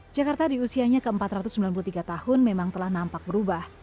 jakarta di usianya ke empat ratus sembilan puluh tiga tahun memang telah nampak berubah